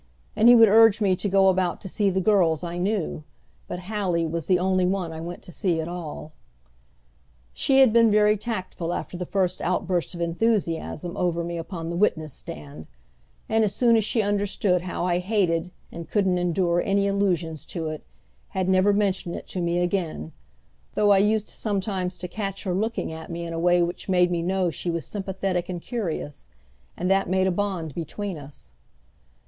And he would urge me to go about to see the girls I knew; but Hallie was the only one I went to see at all. She had been very tactful after the first outburst of enthusiasm over me upon the witness stand; and as soon as she understood how I hated and couldn't endure any allusions to it, had never mentioned it to me again, though I used sometimes to catch her looking at me in a way which made me know she was sympathetic and curious; and that made a bond between us.